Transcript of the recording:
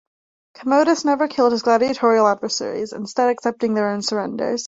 Commodus never killed his gladiatorial adversaries, instead accepting their surrenders.